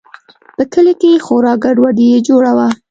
په کلي کښې خورا گډوډي جوړه وه.